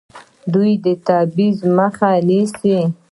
دوی د تبعیض مخه نیسي.